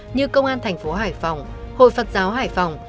như công an thành phố hải phòng hội phật giáo hải phòng